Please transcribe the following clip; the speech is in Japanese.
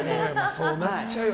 そうなっちゃうわ。